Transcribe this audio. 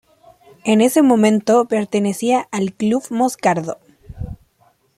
En ese momento pertenecía al Club Moscardó.